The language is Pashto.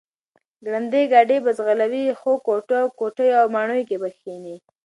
ګړندی ګاډی به ځغلوي، ښو کوټو او کوټیو او ماڼیو کې به کښېني،